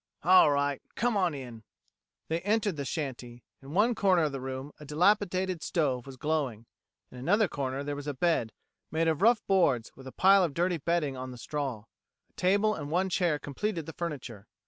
All right come on in." They entered the shanty. In one corner of the room a dilapidated stove was glowing; in another corner there was a bed, made of rough boards, with a pile of dirty bedding on the straw. A table and one chair completed the furniture.